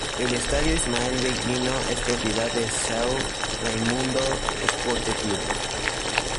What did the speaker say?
El Estadio Ismael Benigno es propiedad de São Raimundo Esporte Clube.